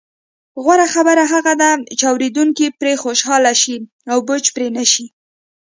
غوره خبرې هغه دي، چې اوریدونکي پرې خوشحاله شي او بوج پرې نه شي.